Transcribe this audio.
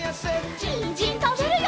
にんじんたべるよ！